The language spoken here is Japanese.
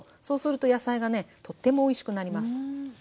そうすると野菜がねとってもおいしくなります。